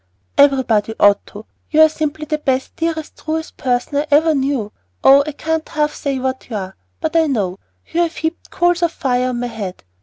"Everybody ought to. You are simply the best, dearest, truest person I ever knew. Oh, I can't half say what you are, but I know! You have heaped coals of fire on my head.